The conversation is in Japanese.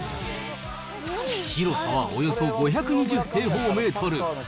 広さはおよそ５２０平方メートル。